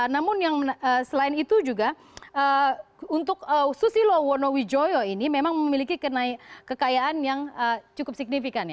namun yang selain itu juga untuk susilo wonowijoyo ini memang memiliki kekayaan yang cukup signifikan